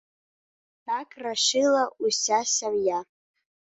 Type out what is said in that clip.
Так рашыла ўся сям'я.